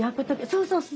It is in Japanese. そうそうそう！